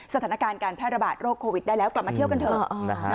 สถานการณ์การแพร่ระบาดโรคโควิดได้แล้วกลับมาเที่ยวกันเถอะ